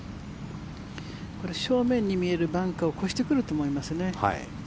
正面に見えるバンカーを越してくると思いますね。